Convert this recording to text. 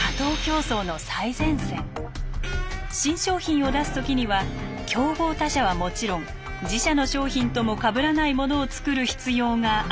新商品を出す時には競合他社はもちろん自社の商品ともかぶらないものを作る必要があるのです。